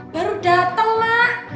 baru dateng mak